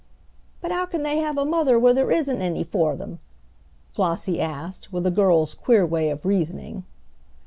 "But how can they have a mother where there isn't any for them?" Flossie asked, with a girl's queer way of reasoning.